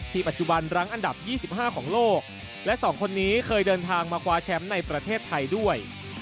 ปัจจุบันรั้งอันดับ๒๕ของโลกและ๒คนนี้เคยเดินทางมาคว้าแชมป์ในประเทศไทยด้วย